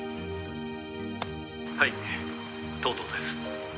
「はい藤堂です」